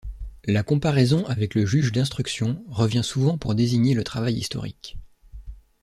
La comparaison avec le juge d'instruction revient souvent pour désigner le travail historique.